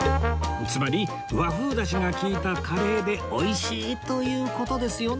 つまり和風ダシが利いたカレーでおいしいという事ですよね？